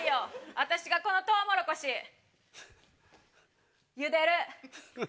私がこのトウモロコシゆでる。